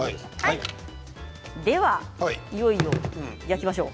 いよいよ焼きましょう。